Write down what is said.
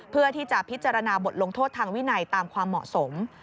เพื่อที่จะพิจารณาบทลงโทษทางวินัยตามความเหมาะสม